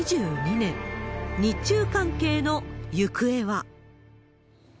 ２０２２年、日中関係の行方は。